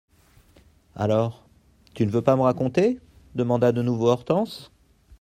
Alors, tu ne veux pas me raconter ? demanda de nouveau Hortense.